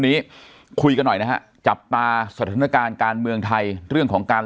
นี้คุยกันหน่อยนะฮะจับตาสถานการณ์การเมืองไทยเรื่องของการ